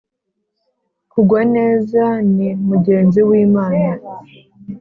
kugwa neza ni mugenzi w’imana